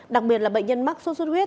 đặc biệt là bệnh nhân mắc sốt xuất huyết